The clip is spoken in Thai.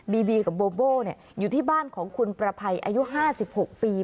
บีบีกับโบโบ้เนี่ยอยู่ที่บ้านของคุณประภัยอายุห้าสิบหกปี